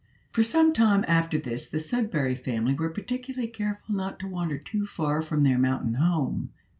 For some time after this the Sudberry Family were particularly careful not to wander too far from their mountain home.